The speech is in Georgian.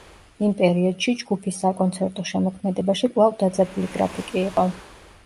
იმ პერიოდში ჯგუფის საკონცერტო შემოქმედებაში კვლავ დაძაბული გრაფიკი იყო.